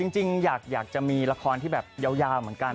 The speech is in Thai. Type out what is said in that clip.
จริงอยากจะมีละครที่แบบยาวเหมือนกัน